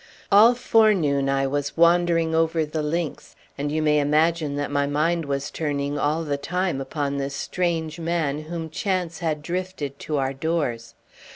All forenoon I was wandering over the links, and you may imagine that my mind was turning all the time upon this strange man whom chance had drifted to our doors.